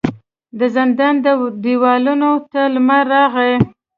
د زندان و دیوالونو ته لمر راغلی